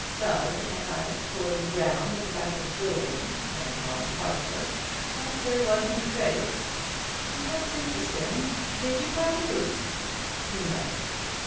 "Sugg and I explored the ground at the back of the building," went on Parker, "but there wasn't a trace." "That's interestin'. Did you try the roof?" "No."